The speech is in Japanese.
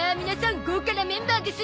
豪華なメンバーですなあ